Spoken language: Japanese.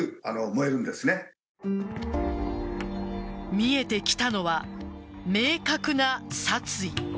見えてきたのは、明確な殺意。